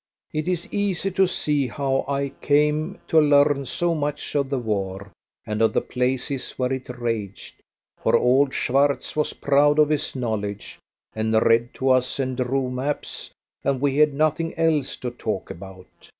It is easy to see how I came to learn so much of the war, and of the places where it raged, for old Schwartz was proud of his knowledge, and read to us and drew maps, and we had nothing else to talk about.